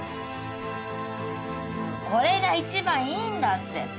これが一番いいんだって。